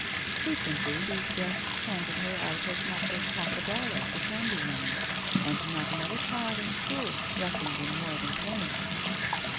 Frequently these guests handed her out as much as half a dollar for candy money, and not another child in school reckoned in more than pennies.